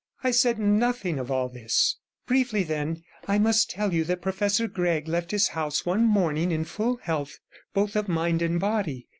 'I said nothing of all this. Briefly, then, I must tell you that Professor Gregg left his house one morning in full health both of mind and body.